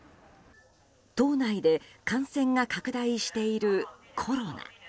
島内で感染が拡大しているコロナ。